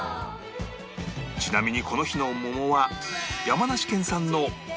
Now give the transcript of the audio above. ちなみにこの日の桃は